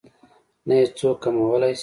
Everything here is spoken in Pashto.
نه يې څوک کمولی شي.